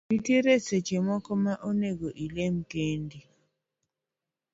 Nitie seche moko ma nego ilem kendi